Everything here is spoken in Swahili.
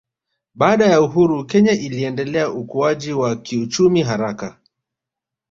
Baada ya uhuru Kenya iliendeleza ukuaji wa kiuchumi haraka